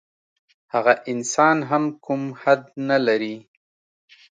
هغه انسان هم کوم حد نه لري.